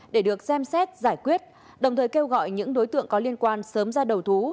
để được xem xét giải quyết đồng thời kêu gọi những đối tượng có liên quan sớm ra đầu thú